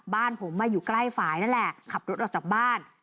บ้านผมมาอยู่ใกล้ฝ่ายนั่นแหละขับรถออกจากบ้าน